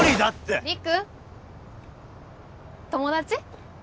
陸友達？